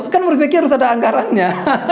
kan harus ada anggarannya